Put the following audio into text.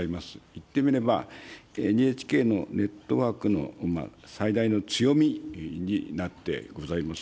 いってみれば、ＮＨＫのネットワークの最大の強みになってございます。